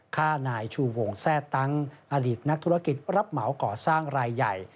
ฆ่านายชูวงแทร่ตั้งอดีตนักธุรกิจรับเหมาก่อสร้างรายใหญ่